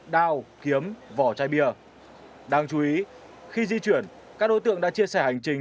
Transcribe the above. đao kiếm vỏ chai bia đáng chú ý khi di chuyển các đối tượng đã chia sẻ hành trình